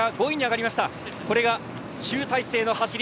これが集大成の走り。